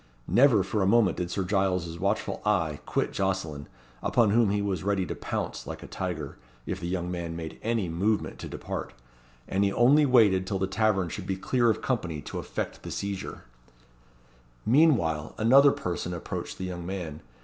Never for a moment did Sir Giles' watchful eye quit Jocelyn, upon whom he was ready to pounce like a tiger, if the young man made any movement to depart; and he only waited till the tavern should be clear of company to effect the seizure. Meanwhile another person approached the young man.